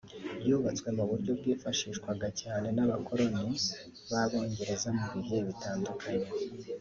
yubatswe mu buryo bwifashishwaga cyane n’Abakoloni b’Abongereza mu bihugu bitandukanye